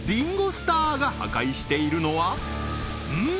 スターが破壊しているのはうん？